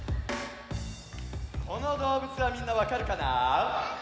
このどうぶつはみんなわかるかな？